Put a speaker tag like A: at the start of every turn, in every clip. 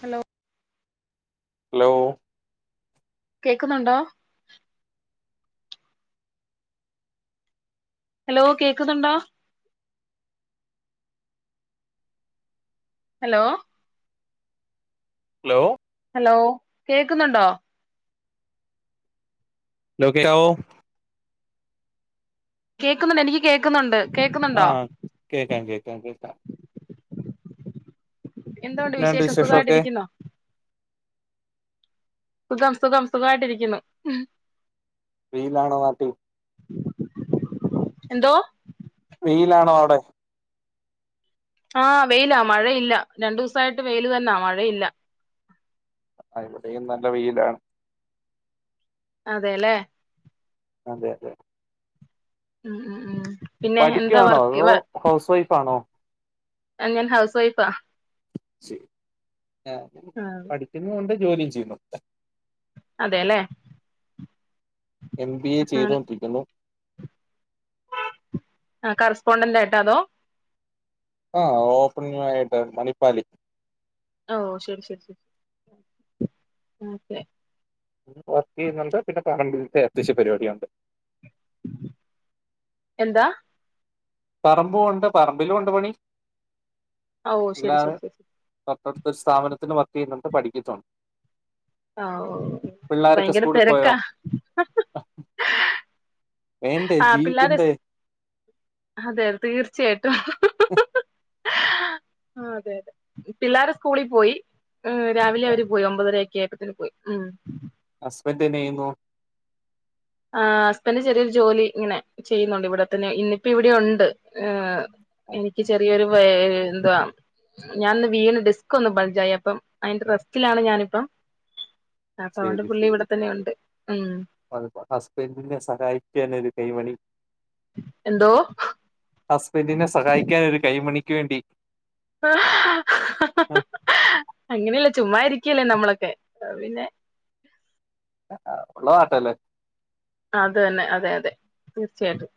A: Hello
B: ലോ
A: കേക്ക്ന്നൊണ്ടോ hello കേക്ക്ന്നൊണ്ടോ ഹലോ
B: ലോ
A: ഹലോ കേക്ക്ന്നൊണ്ടോ
B: ലോ കെക്കവോ
A: കേക്കുന്നൊണ്ട് എനിക്ക് കേക്ക്ന്നൊണ്ട്
B: അഹ് കെക്ക കേക്ക കേക്ക
A: എന്തോണ്ട് വിശേഷം
B: വിശേഷൊക്കെ
A: സുഖട്ടിരിക്കുന്നോ സുഖം സുഖം സുഖയിട്ടിരിക്കുന്നു
B: വീട്ലാണോ വാപ്പി
A: എന്തോ
B: വീലാണോ അവിടെ
A: ആ വെയില മഴയില്ല രണ്ടുസായിട്ട് വെയില് തന്ന മഴയില്ല
B: ആ എവിടേം നല്ല വെയിലാണ്
A: അതെല്ലേ
B: അതെ അതെ
A: ഉം ഉം ഉം പിന്നെ എന്താ
B: പഠികാണോ
A: വർക്ക്
B: അതോ ഹൗസ് വൈഫ് ആണോ?
A: അല്ല ഹൗസ് വൈഫാ.
B: ശെരി ഏ പഠിക്കുന്നുണ്ട് ജോലിം ചെയുന്നുണ്ട്
A: അതെലേ
B: എംബിഎ ചെയ്ത് കൊണ്ടിരിക്കുന്നു
A: കറസ്പോണ്ടന്റ് ആയിട്ടോ അതോ
B: അ ഓപ്പണിങ് ആയിട്ട് മണിപ്പാലി
A: ഓ ശരി ശരി അതെ
B: വർകേയുന്നുണ്ട് പിന്നേ പറമ്പിൽത്തെ അത്യവശ്യ പരിപാടിയുണ്ട്
A: എന്താ
B: പറമ്പു ഉണ്ട് പറമ്പിലുണ്ട് പണി
A: ആ ഊ ശരി
B: അല്ലാതെ
A: ശരി
B: [unintelligible] സ്ഥാപനത്തിൽ വർക്ക് ചെയ്യുന്നുണ്ട് പഠിക്കുന്നുണ്ട്
A: ഓ
B: പിള്ളേരൊക്കെ
A: ഭയങ്കര
B: സ്കൂളിൽ
A: തെരക്കാ
B: പോയോ വേണ്ടേ
A: ആ പിള്ളേര്
B: ജീവിക്കണ്ടേ
A: സ് അതെ തീർച്ചയായിട്ടും അതെ അതെ പിള്ളേര് സ്കൂളിൽ പോയി മ്മ് രാവിലെ അവര് പോയി ഒമ്പതണി [unintelligible] പോയി മ്മ്
B: ഹസ്ബന്റ് ന്തെയ്യുന്നു
A: ആ ഹസ്ബന്റ് ചെറിയൊരു ജോലി ഇങ്ങനെ ചെയ്യുന്നുണ്ട് ഇവിടെത്തന്നെ ഇന്നിപ്പോ ഇവിടെയുണ്ട് ഹ്
B: ആ,
A: എനിക്ക് ചെറിയൊരു വേണ്ട ഞാൻ ഇന്ന് വീണ് ഡിസ്ക്കോന്ന് ബൾജയപ്പം അയ്ന്റെ റെസ്റ്റിലാ ഞാനിപ്പം അതോണ്ട്
B: ശരി
A: പുള്ളി
B: ശരി
A: ഇവിടെത്തന്നെയുണ്ട്
B: [unintelligible] സഹായിക്കാൻ ഒരു കൈ മണി
A: എന്തോ
B: ഹസ്ബന്റിനെ സഹായിക്കാൻ ഒരു കയ്യ് മണിക്ക് വേണ്ടി ഉം.
A: അങ്ങനെ ല്ലാ ചുമ്മാ ഇരി ക്കേല്ലേ നമ്മളൊക്കെ അത് പിന്നെ
B: ഉള്ള [unintelligible]
A: അത് തന്നെ അതെ അതെ തീർച്ചയായിട്ടും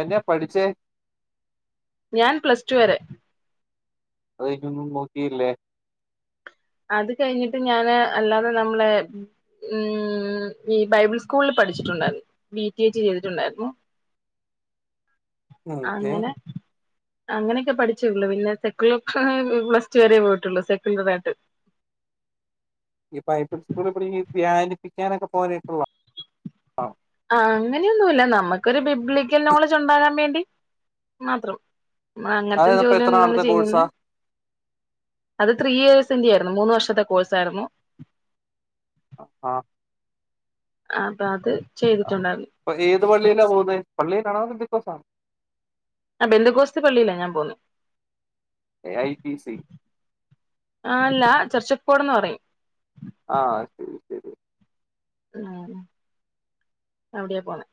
B: എന്നാ പഠിച്ചെ
A: ഞാൻ പ്ലസ് ടു വരെ
B: അത് കഴിഞ് ഒന്നും നോക്കിയില്ലേ
A: അത് കഴിഞ്ഞിട്ട് ഞാൻ അല്ലാതെ നമ്മളെ മ്മ് ബൈബിൾ സ്കൂളിൽ പഠിച്ചിട്ടുണ്ടായിരുന്നു പി ടെ ജി ചെയ്തിട്ടുണ്ടായിരുന്നു
B: ഓക്കെ
A: അങ്ങനെ അങ്ങനൊക്കെ പഠിച്ചേ ഉള്ളൂ പിന്നെ സെക്കുലർ ക്ക് പ്ലസ് ടു വേരെ പോയിട്ടോള്ളു സെക്കുലറായിട്ട്
B: ഈ പൈപിസ്ക്കൂൾ പഠിക്കുമ്പോൾ പ്യാനിപ്പിക്കാനോക്കേ പോലുണ്ടൊവ
A: അങ്ങനെ ഒന്നുല്ല നമുക്കൊരു ബിബ്ളികൽ നോലെജ് ഉണ്ടാകാൻ വേണ്ടി മാത്രം അങ്ങത്തെ
B: അതായതപ്പോ എത്ര
A: ജോലിയൊന്നും നമ്മള്
B: നാളത്തെ കോഴ്സാ
A: ചെയ്യുന്നില്ലാ അത് ത്രീ ഇയേർസിന്റെ ആയിരുന്നു മൂന്ന് വർഷത്തെ കോഴ്സായിരുന്നു.
B: ആ
A: അ ബ ദ്
B: അ ഏതു പള്ളിലാ പോകുന്നെ പള്ളിലാണോ ബിബോ സാണോ
A: ആ ബന്തിക്കോസിത്തെ പള്ളിലാ ഞാൻ പോകുന്നെ.
B: ഐ പി സി
A: ആ അല്ല ചർച്ച ക്കോടന്ന് പറയും.
B: ആ
A: ഉം അവിടെയ പോണേ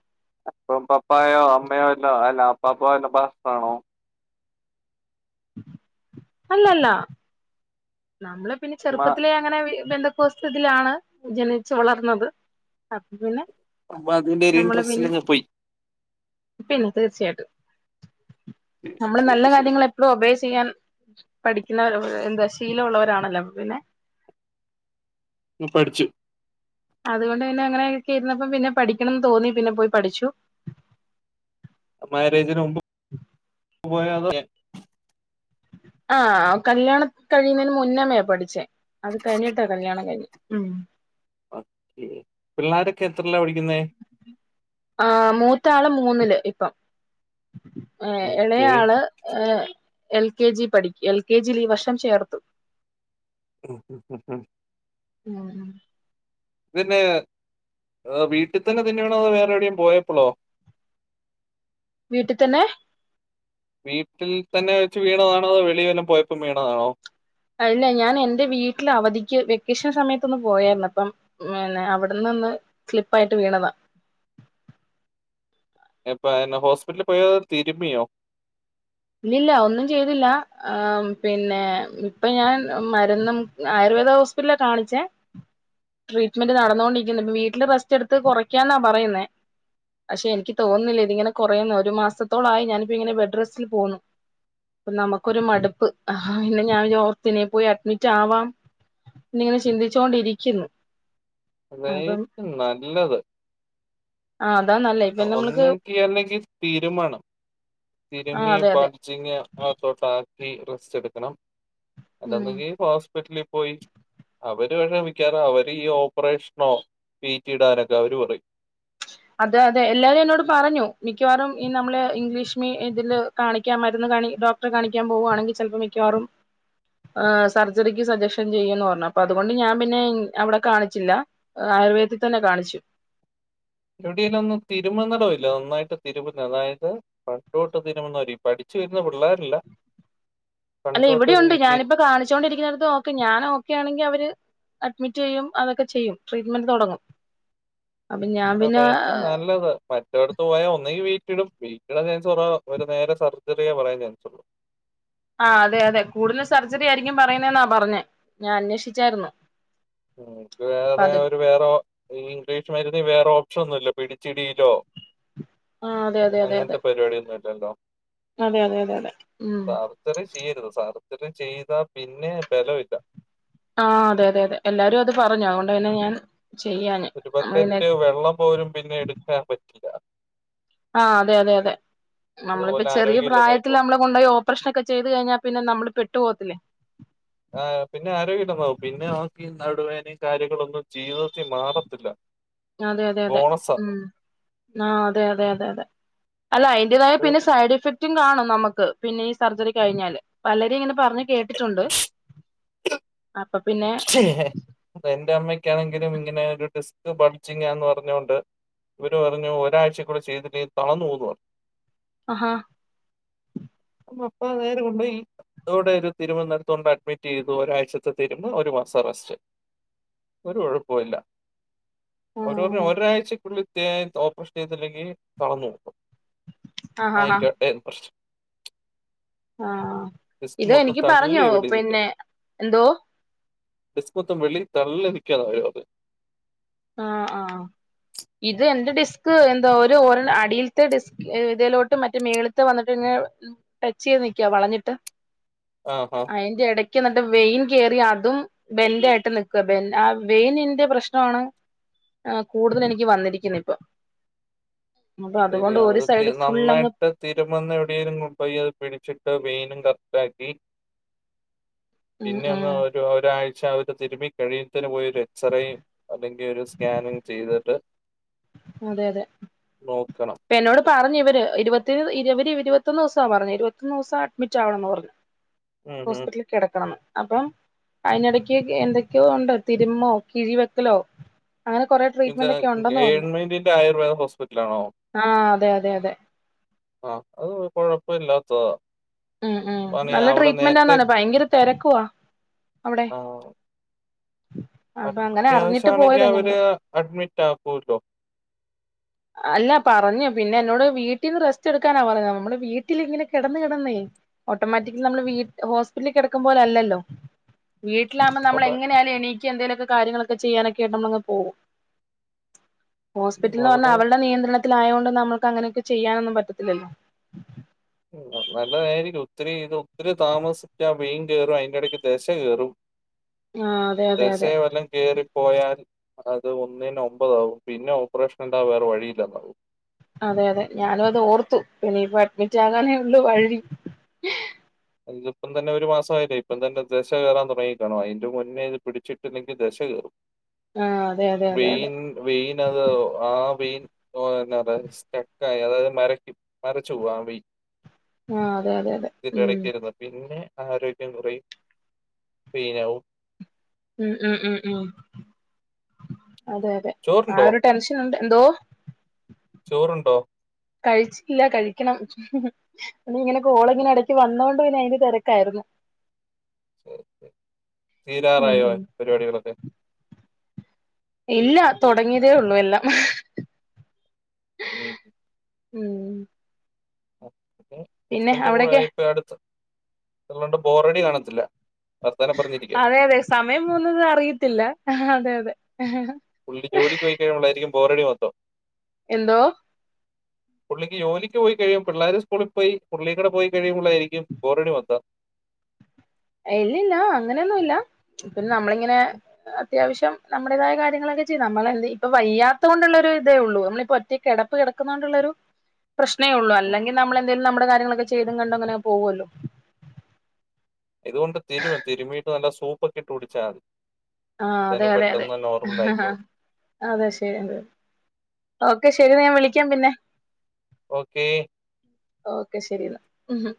B: അപ്പം പപ്പായോ അമ്മയോ അല്ലാ അപ്പാപ്പയോ വല്ല പാസ്റ്ററാണോ
A: അല്ലല്ലാ നമ്മളെപ്പിന്നെ
B: ഉമ്മ-
A: ചെറുപ്പത്തിലേ അങ്ങനെ വി- ബെന്തകൊസ്സിതിലാണ് ജനിച്ച് വളർന്നത് അപ്പപ്പിന്നെ
B: അപ്പതിന്റെയൊര് ഇൻട്രെസ്റ്റിലങ്ങുപോയി.
A: പ്പിന്നെ തീർച്ചയായിട്ടും. നമ്മള് നല്ല
B: ശരി ശരി
A: കാര്യങ്ങളെപ്പളും ഒപേ ചെയ്യാൻ - പഠിക്കുന്നവരോ എന്താചെ- ശീലവൊള്ളവരാണല്ലോ അപ്പപ്പിന്നെ
B: മ് പഠിച്ചു.
A: അതുകൊണ്ട് പിന്നെ അങ്ങനയൊക്കെ ഇരുന്നപ്പോ പിന്നെ പഠിക്കണമെന്ന് തോന്നി പിന്നെപ്പോയി പഠിച്ചു.
B: മാരേജിനുമ്പും [unintelligible]
A: ആ കല്യാണം കഴിയുന്നേന് മുന്നമെ പഠിച്ചേ അത് കഴിഞ്ഞിട്ടാ കല്യാണം കഴിഞ്ഞേ ഉം
B: ഓകെ പിള്ളേരൊക്കെ എത്രലാ പഠിക്കുന്നെ?
A: ആ മൂത്ത ആള് മൂന്നില് ഇപ്പം. ഏ എളേ
B: ഓക്കെ
A: ആള് ഏ ൽ കെ ജി പഠി ൽ കെ ജിൽ ഈ വർഷം ചേർത്തു.
B: [unintelligible]
A: അ അ
B: പിന്നെ വീട്ടിതന്നെ തിന്നുവാണോ അതൊ വേറെവിടെങ്കിലും പോയപ്പളോ?
A: വീട്ടിത്തന്നെ
B: വീട്ടിൽത്തന്നെ വെച്ച് വീണതാണോ അതൊ വെളീൽ വല്ലോം പോയപ്പോ വീണതാണോ?
A: അല്ല ഞാനെന്റെ വീട്ടിൽ അവധിക്ക് വെക്കേഷൻ സമെത്തൊന്നു പോയായിരുന്നു അപ്പം പിന്നെ അവിടുന്നൊന്ന്‌ സ്ലിപ് ആയിട്ട് വീണതാ.
B: എപ്പ എനഹോസ്പിറ്റലിൽ പോയോ അതൊ തിരുമ്മിയോ?
A: ഇല്ലില്ല ഒന്നും ചെയ്തില്ലാ ആമ് പിന്നെ ഇപ്പ ഞാൻ മരുന്നും ആയുർവേദ ഹോസ്പിറ്റലില കാണിച്ചേ ട്രീറ്റ്മെന്റ് നടന്നോണ്ടിരിക്കുന്നു ഇപ്പം വീട്ടില് റെസ്റ്റെടുത് കൊറക്കാന്ന പറയുന്നേ പഷേ എനിക്ക് തോന്നുന്നില്ല ഇതിങ്ങനെ കൊറയുന്ന്‌ ഒരു മാസത്തോളായി ഞാനിപ്പിങ്ങനെ ബെഡ് റെസ്റ്റ് സിൽ പോന്നു പ്പ നമ്മക്കൊരു മടുപ്പ് ന്നെ ഞാനോർത്തിനി പോയി അഡ്മിറ്റാവാം നിങ്ങനെ ചിന്തിച്ചോണ്ടിരിക്ക്ന്നു.
B: അതായിരിക്കും നല്ലത്
A: ആഹ് അതാ നല്ലേ ഇപ്പൊ നമ്മൾക്ക്
B: ഒന്നങ്കി അല്ലങ്കി തീരുമനം
A: ആഹ്
B: തിരുമ്മിയ
A: അതെ അതെ
B: ബഡ്ജിങ് ഒകെ ഉണ്ട പത്നി റെസ്റ്റെടുക്കണം.
A: ഉം
B: അതൊന്നെങ്കി ഹോസ്പിറ്റലി പോയി അവര് വ ക്ഷമിക്കാനാ അവരിയൊ കൊറേഷ്ണോ പീക്കിടാനൊക്കെ അവര് പറയും
A: അതെ അതെ എല്ലാരു എന്നോട് പറഞ്ഞു. മിക്കവാറും ഈ നമ്മളെ ഇംഗ്ലീഷ് മീ ഇതില് കാണിക്കാ മര്ന്ന് കാണി ഡോക്റ്റെ കാണിക്കാൻ പോവാണെങ്കി ചെൽപ്പം മിക്കവാറും ആഹ് സർജറി സജഷ്യൻ ചെയ്യുന്നു പറഞ്ഞു. അപ്പ അതുകൊണ്ട് ഞാൻ പിന്നെ അവടെ കാണിച്ചില്ല. ആയുർവേദിക്കന്നെ കാണിച്ചു.
B: റ്റടിനൊന്നും തിരുമ്മുന്നടവല്ലേ നന്നായിട്ട് തിരുമ്മുന്ന അതായത് പണ്ടോട്ട് തിനമൊന്നരി പഠിച്ചു വരുന്ന പിള്ളേരല്ല
A: അല്ല
B: പണ്ടോട്ട്
A: ഇവിടിയുണ്ട്
B: ഈ തിരു
A: ഞാനിപ്പം കാണിചോണ്ടിരിക്ക്ന്നട്തും ക്ക് ഞാൻ ഓക്കേയാണെങ്കി അവര് അഡ്മിറ്റെയ്യും അതൊക്കെ ചെയ്യും ട്രീറ്റ്മെന്റ് തൊടങ്ങും
B: അതായിര്ക്കും നല്ലത്. മറ്റോട്ത്ത് പോയാ ഒന്നങ്കി വീ ട്ടിടും വീറ്റിടാ ചാൻസ് കൊറവ. അവര് നേരെ സർജറിയ പറയന്നെ ചാൻസുള്ളു
A: ആഹ് അതെ അതെ കൂടുതലും സർജറി ആയിരിക്കും പറയുന്നെന്നാ പറഞ്ഞേ. ഞാൻ അന്വേഷിച്ചായിരുന്നു.
B: ക്ക്
A: അപ്പൊ
B: വേറെ
A: അത്
B: ഒരു വേറെ ഒ ഇംഗ്ലീഷ് മരുന്ന് വേറൊ ക്ഷൊന്നുല്ല പിടിച്ചിടിയിലോ
A: ആ അതെ അതെ അതെ അതെ
B: അങ്ങൻത്തെ പരിപാടൊന്ന് ണ്ടണ്ടൊ
A: അതെ അതെ അതെ അതെ ആ
B: ഇതൊക്കെചെയ്താ പിന്നെ ബലൊല്ല
A: ആ അതെ അതെതെ എല്ലാരും അത് പറഞ്ഞു അതുകൊണ്ട് തന്നെ ഞാൻ ചെയ്യാഞ്ഞെ നമ്മള് പിന്നെ
B: ഒരുബക്കറ്റ് വെള്ളം പോലും പിന്നെ എടുക്കാൻ പറ്റില്ല
A: ആഅതെ അതെ അതെ നമ്മളിപ്പൊ
B: അതുപോലെ
A: ചെറിയ
B: ആരോഗ്യമില്ലെന്നായി
A: പ്രായത്തിൽ
B: ഇപ്പോ
A: നമ്മളെ കൊണ്ടൊയി ഓപ്പറേഷനെക്കെ ചെയ്ത് കഴിഞ്ഞാൽ പിന്നെ നമ്മള് പെ ഇട്ട് പോത്തില്ലേ
B: ആ പിന്നെ ആരോഗ്യല്ലാതാവും പിന്നെ ആക്കി ഈ നടുവേനെ കാര്യങ്ങളൊന്നും ജീവിതത്തിൽ മാറത്തില്ല
A: അതെ അതെ അതെ
B: ബോണസാ
A: മ് ആ അതെ അതെ അതെ അതെ അല്ല അയ്ന്റേതായ പിന്നെ സൈഡ് എഫക്ട് ച്ചും കാണും നമ്മക്ക് പിന്നെ ഈ സർജറി കഴിഞ്ഞാല് പലരും ഇങ്ങനെ പറഞ്ഞ് കേട്ടി ട്ടുണ്ട്
B: ചെ ഹേ പ്പഎന്റെ അമ്മക്ക്‌ ണെങ്കിലും ഇങ്ങനെ ഒരു ഡിസ്ക് ബൾജിങ്ങാന്ന്പറഞ്ഞോണ്ട് ഇവര് പറഞ്ഞു ഒരാഴ്ച കൂടെ ചെയ്തില്ലേൽ തളന്നുപോവൂന്നു പറഞ്ഞു
A: അഹാ
B: നമ്മ അപ്പ നേരെ കൊണ്ടോയി ഇവിടെ ഒരു തിരുവനന്തരത്ത് കൊണ്ടോയി അഡ്മിറ്റ് ചെയ്തു ഒരാഴ്ചത്തെ ഇപ്പ ഒരു മാസാ റസ്റ്റ് ഒരു കൊഴപ്പല്ല അവര് പറഞ്ഞ്
A: ആഹ്
B: ഒരാഴ്ചക്കുള്ളിൽ ത്തെ ഓപ്പറേഷൻ ചെയ്തില്ലെങ്കിൽ തളന്ന്പോവും
A: ആഹ് ആഹ്
B: ആയിക്കോട്ടെ പ്രഷ്
A: ആഹ്
B: ഡിസ്ക്
A: ഇത്
B: മൊത്തം
A: എനിക്ക്
B: തള്ളി
A: പറഞ്ഞോ പിന്നെ എന്തോ
B: ഡിസ്ക്ക് മൊത്തം വെളിയിൽ തള്ളി നിക്കുവാന്നാ അവര് പറഞ്ഞെ
A: ആ ആ ഇത് എന്റെ ഡിസ്ക് എന്തൊ ഒരു ഒര അടിൽത്തെ ഡിസ്ക് എ തലോട്ട് മറ്റേ മേൾത്തെ വന്നിട്ട് പിന്നെ ടച്ച് ചെയ്ത് നിക്ക വളഞ്ഞിട്ട്
B: ആഹാ!
A: അയിന്റെ എടയ് എന്നിട്ട് വെയിൻ കെറി അതും ബെൻ്റ് ആയിട്ട് നിക്ക്വ ബെൻ്റ് ആ വെയിനിന്റെ പ്രശ്നമാണോ ആ കൂടുതൽ എനിക്ക് വന്നിരിക്കുന്നു ഇപ്പൊ അപ്പൊ
B: ശരി
A: അതുകൊണ്ട് ഒരു
B: അത് തി
A: സൈഡ് ഫുള്ളങ്ങ്
B: നന്നായിട്ട് തിരുമെന്ന് എവിടേലും കൊ പോയി അത് പിടിച്ചിട്ട് [unintelligible] [unintelligible]
A: ഉം
B: പിന്നെ ഒന്ന്
A: ഉം
B: ഒരു ഒരാഴ്ച. തിരുമി കഴിയന് പോയി ഒരു എക്സറേയും അല്ലെങ്കിൽ ഒരു സ്കാനി ചെയ്തിട്ട്.
A: അതെ അതെ.
B: നോക്കണം.
A: ഇപ്പഎന്നോട് പറഞ് ഇവര് ഇരുപത്തി ഇവരവര്. ഇരുപത്തൊന്നൂസ പറഞ്ഞേ ഇരുപത്തൊന്നൂസാ അഡ്മിറ്റാവണം പറഞ്ഞേ.
B: ഉം, ഉം.
A: ഹോസ്പിറ്റലിൽ കെടക്കണമ്ന്. അപ്പം അയിന്നെടേയ്ക്കൊക്കെ എന്തൊക്കെയോണ്ട് തിരുമ്മോ കിഴിവെക്കലോ. അങ്ങനെ കൊറേ ട്രീറ്റ്മെന്റോക്കെ ഉണ്ടെന്ന് പറഞ്ഞു.
B: ക്യാ ആയുർവേദ ഹോസ്പിറ്റലിൽ ആണോ
A: ആഹ് അതെ അതെ അതെ
B: ആ അത് കുഴപ്പല്ലാത്തതാ
A: ഉം നല്ല ട്രീറ്റ്മെന്റ് ഭയങ്കര തിരക്ക് അവിടെ അപ്പൊ അങ്ങനെ അറിഞ്ഞിട്ട്
B: അത്യാവശ്യമാണെങ്കിൽ
A: പോയതാ
B: അവര്
A: ഞങ്ങള്
B: അഡ്മിറ്റ്ആകും ട്ടോ
A: അല്ല പറഞ്ഞത് പിന്നെ എന്നോട് വീട്ടിൽ റസ്റ്റ് എടുക്കാൻ പറഞ്ഞ നമ്മുടെ വീട്ടിൽ ഇങ്ങനെ കിടന്നുകിടന്ന് ഓട്ടോമാറ്റിക്കൽ നമ്മൾ ഹോസ്പിറ്റലിൽ കിടക്കും പോലെ അല്ലല്ലോ വീട്ടിലാണ് നമ്മൾ
B: അവിടെ
A: എങ്ങനെയായാലും എണീക്കും എന്തെങ്കിലുമൊക്കെ കാര്യങ്ങളൊക്കെ ചെയ്യാനൊക്കെആയിട്ട് അങ്ങനെ പോകും
B: ഉം,
A: ഹോസ്പിറ്റലിൽ
B: അവിടെ
A: അവരുടെ നിയന്ത്രണത്തിൽ തിലയൊണ്ട്. നമുക്ക് അങ്ങനെയൊക്കെ ചെയ്യാനൊന്നും പറ്റത്തില്ലല്ലോ
B: നല്ല വേദനിക്കും ഒത്തിരി താമസിച്ചാൽ പൈൻ കേറും അതിന്റെടക്ക് ദേശ കേറും
A: ആ അതെ അതെ
B: പോയാൽ അത് ഒന്നിന് ഒമ്പതാവും പിന്നെ ഓപ്പറേഷൻഅല്ലാതെ വേറെ വഴിയില്ല
A: അതെ അതെ ഞാൻഅത് ഓർത്തു പിന്നെ അഡ്മിറ്റ്‌ ആവന്നെ ഉള്ളു വഴി
B: ഇത് തന്നെ ഇപ്പൊ ഒരു മാസമായിലെഇപ്പൊ തന്നെ ദേശ കേറാൻ തുടങ്ങിക്കാണും അയിന്റെ മുമ്പ് പിടിച്ചിട്ട്ദേശ കേറും
A: ആഹ് അതെ അതെ അതെ അതെ
B: വൈൻ വൈൻ അത് ആ വൈൻ ഓ എന്ന ഡ്രൈവിംഗ് സ്റ്റ അതായത് നരക്കും നരച്ച് ഉവാംവി
A: ആഹ് അതെ അതെ അതെ ഉം
B: ഇരുന്ന് പിന്നെ ആരോഗ്യം കുറയും പിന്ന ഉ
A: ഉം ഉം ഉം ഉം അതെ അതെ ആ
B: ചോറുണ്ടോ
A: ഒരു ടെൻഷനുണ്ട്. എന്തോ?
B: ചോറുണ്ടോ?
A: കഴിച്ചില്ല കഴിക്കണം. ഇന്നിങ്ങനെ കോൾ ഇങ്ങനെ എടക് വന്നോണ്ട് പിന്നെ അയിൻ്റെ തിരക്കായിരുന്നു.
B: [unintelligible]
A: ഉം
B: തീരാറായോ
A: ഉം
B: പരിപാടികളൊക്കെ
A: ഇല്ല തുടങ്ങീതേ ഉള്ളൂ എല്ലാം.
B: ഇനി ഇപ്പോ
A: ഉം
B: ആഹ് ഉം
A: പിന്നെ
B: ഹസ്ബൻ്റ് പോയ
A: അവിടൊക്കെ
B: ഇപ്പൊ ഈ അടുത്ത് വല്ലാണ്ട് ബോറടി കാണത്തില്ല. വർത്താനം പറഞ്ഞിരിക്കാലോ
A: അതെ അതെ സമയം പോവുന്നത് അറിയത്തില്ല. അതെ അതെ
B: പുള്ളി ജോലിക്ക് പോയി കഴിയുമ്പോളായിരിക്കും ബോറടി മൊത്തം.
A: എന്തോ?
B: പുള്ളിക്ക് ജോലിക്ക് പോയി കഴിയും പിള്ളേര് സ്കൂളിൽ പോയി പുള്ളിയും കൂടെ പോയി കഴിയുമ്പോളായിരിക്കും ബോറടി മൊത്തം.
A: ഇല്ലില്ല അങ്ങനെ ഒന്നും ഇല്ല പിന്നെ നമ്മള് ഇങ്ങനെ
B: ഉം,
A: അ ത്യാവശ്യം നമ്മുടേതായ കാര്യങ്ങളൊക്കെ ചെയ്യും. നമ്മളെന്തെ ഇപ്പോ വയ്യാത്ത കൊണ്ടുള്ള ഇതെ ഉള്ളൂ നമ്മളീ ഒറ്റ കിടപ്പ് കിടക്കുന്നോണ്ടുള്ളൊരു പ്രശ്നേ ഉള്ളൂ
B: ഉം,
A: അല്ലെങ്കി
B: ഉം.
A: നമ്മളെന്തെലും നമ്മടെ കാ ര്യങ്ങളൊക്കെ ചെയ്തും കണ്ടും അങ്ങനെ പോവും അല്ലോ
B: ഇതുകൊണ്ട് തിരുമ് തീരുമ്മീട്ട് നല്ല സൂപ്പ് ഒക്കെ ഇട്ട് കുടിച്ചാതി.
A: ആ അതെ അതെ അതെ ആ
B: ആയിക്കോളും
A: അതെ ശരിയ അത് ഓ ക്കെ ശരി എന്ന ഞാൻ വിളിക്കാം പിന്നെ.
B: ഓക്കേ
A: ഓക്കെ ശരി എന്ന